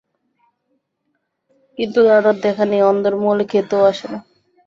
কিন্তু দাদার দেখা নেই, অন্দরমহলে খেতেও আসে না।